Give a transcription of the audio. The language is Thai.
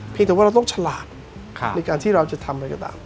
แต่ว่าเราต้องฉลาดในการที่เราจะทำอะไรก็ตาม